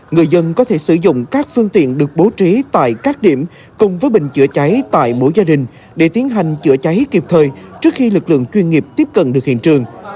người dân có thể sử dụng các phương tiện được bố trí tại các điểm cùng với bình chữa cháy tại mỗi gia đình để tiến hành chữa cháy kịp thời trước khi lực lượng chuyên nghiệp tiếp cận được hiện trường